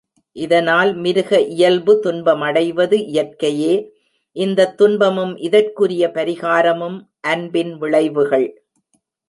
இதனால் மிருக இயல்பு துன்பமடைவது இயற்கையே, இந்தத் துன்பமும் இதற்குரிய பரிகாரமும் அன்பின் விளைவுகள்.